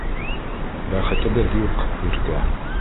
Бәхетебеҙ юҡ, Иркә...